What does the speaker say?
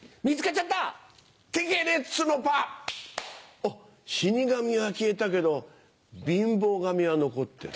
あっ死神は消えたけど貧乏神は残ってる。